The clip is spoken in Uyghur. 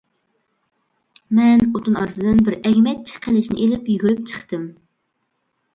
مەن ئوتۇن ئارىسىدىن بىر ئەگمەچ قىلىچنى ئېلىپ يۈگۈرۈپ چىقتىم.